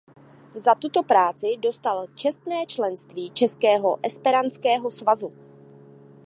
Za tuto práci dostal čestné členství Českého esperantského svazu.